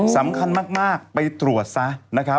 สำคัญมากไปตรวจซะ